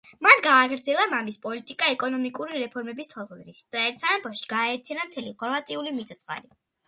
მან გააგრძელა მამის პოლიტიკა ეკონომიკური რეფორმების თვალსაზრისით და ერთ სამეფოში გააერთიანა მთელ ხორვატული მიწა-წყალი.